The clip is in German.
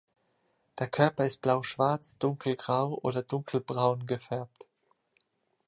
Der Körper ist blauschwarz, dunkelgrau oder dunkelbraun gefärbt.